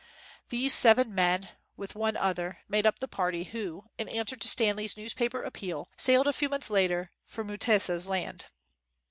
These seven men, with one other, made up the party who in answer to Stanley's newspaper appeal sailed a few months later for Mutesa 's land.